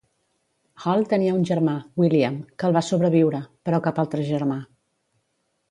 Hall tenia un germà, William, que el va sobreviure, però cap altre germà.